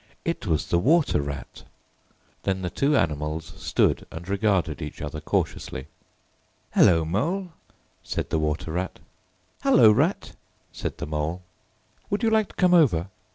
It was the Water Rat! Then the two animals stood and regarded each other cautiously. "Hullo, Mole!" said the Water Rat. "Hullo, Rat!" said the Mole. "Would you like to come over?"